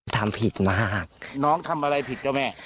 ทำผิดนะฮะน้องทำอะไรผิดเจ้าแม่